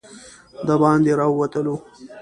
د باندې راووتلو.